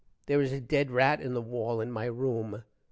there is a dead rat in the wall in my room.